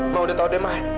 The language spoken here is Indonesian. ma udah tau deh ma